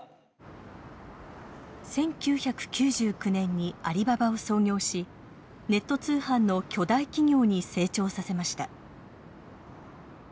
１９９９年にアリババを創業しネット通販の巨大企業に成長させました。